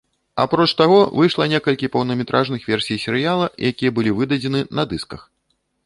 Апроч таго, выйшла некалькі поўнаметражных версій серыяла, якія былі выдадзены на дысках.